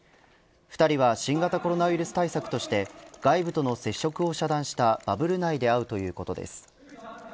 ２人は新型コロナウイルス対策として外部との接触を遮断したバブル内で会うということです。